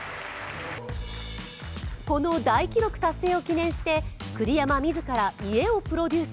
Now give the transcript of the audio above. この大記録達成を記念して、栗山自ら家をプロデュース。